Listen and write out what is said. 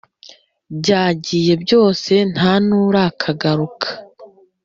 byagiye byose nta n’urakagaruka